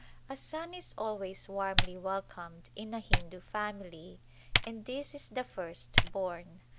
A son is always warmly welcomed in a Hindu family, and this is the first born.